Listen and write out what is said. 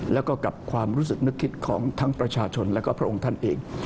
แล้วก็กับความรู้สึกนึกคิดของทั้งประชาชนและก็พระองค์ท่านเอง